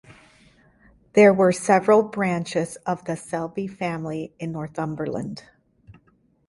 There were several branches of the Selby family in Northumberland.